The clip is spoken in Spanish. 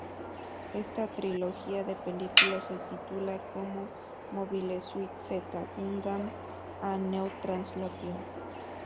Esta trilogía de películas se titula como "Mobile Suit Zeta Gundam: A New Translation".